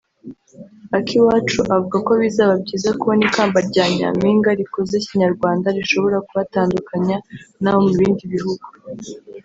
Akiwacu avuga ko bizaba byiza kubona ikamba rya Nyampinga rikoze Kinyarwanda rishobora kubatandukanya n’abo mu bindi bihugu